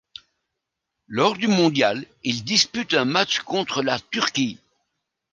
Lors du mondial, il dispute un match contre la Turquie.